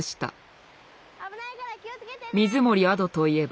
水森亜土といえば。